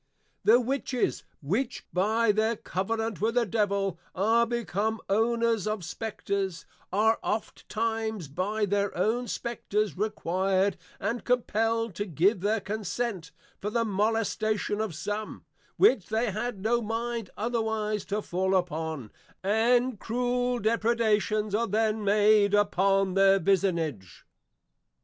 The Witches which by their covenant with the Devil, are become Owners of Spectres, are oftentimes by their own Spectres required and compelled to give their consent, for the molestation of some, which they had no mind otherwise to fall upon; and cruel depredations are then made upon the Vicinage.